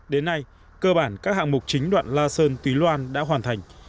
đến nay cơ bản các hạng mục chính đoạn la sơn túy loan đã hoàn thành